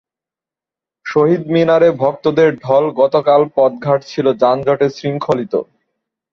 শহীদ মিনারে ভক্তদের ঢল গতকাল পথঘাট ছিল যানজটে শৃঙ্খলিত।